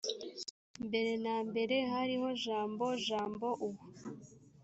mbere na mbere hariho jambo jambo uwo